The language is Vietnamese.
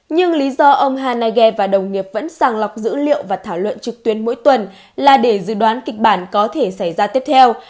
nhưng lý do ông hanage và đồng nghiệp vẫn sàng lọc dữ liệu và thảo luận trực tuyến mỗi tuần là để dự đoán kịch bản có thể xảy ra tiếp theo